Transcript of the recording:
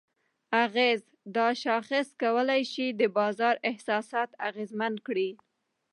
اغېز: دا شاخص کولی شي د بازار احساسات اغیزمن کړي؛